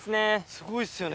すごいっすよね。